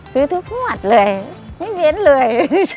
ซื้อทุกงวดเลยไม่เว้นเลย